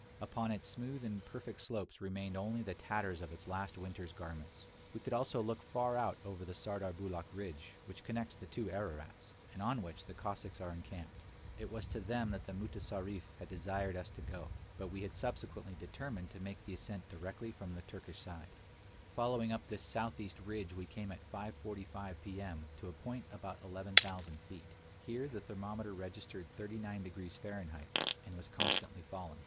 Upon its smooth and perfect slopes remained only the tatters of its last winter's garments. We could also look far out over the Sardarbulakh ridge, which connects the two Ararats, and on which the Cossacks are encamped. It was to them that the mutessarif had desired us to go, but we had subsequently determined to make the ascent directly from the Turkish side. LITTLE ARARAT COMES INTO VIEW. Following up this southeast ridge we came at 5:45 P. M. to a point about eleven thousand feet. Here the thermometer registered 39° Fahrenheit, and was constantly falling.